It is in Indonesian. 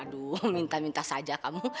aduh minta minta saja kamu